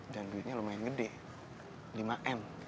dan duitnya lumayan gede lima m